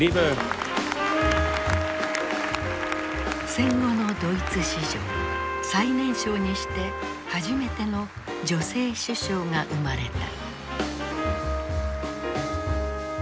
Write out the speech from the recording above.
戦後のドイツ史上最年少にして初めての女性首相が生まれた。